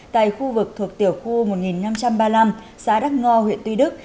tại khu vực thuộc tiểu khu một nghìn năm trăm ba mươi năm xã đắc ngo huyện tuy đức